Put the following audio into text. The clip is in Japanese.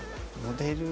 モデル？